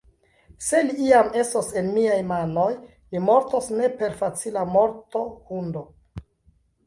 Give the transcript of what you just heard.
Se li iam estos en miaj manoj, li mortos ne per facila morto, hundo!